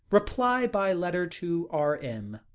Reply by letter to R.M.